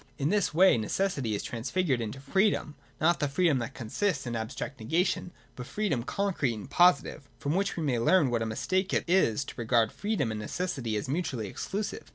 In this way necessity is transfigured into freedom, — not the freedom that consists in abstract negation, but free dom concrete and positive. From which we may learn what a mistake it is to regard freedom and necessity as mutually exclusive.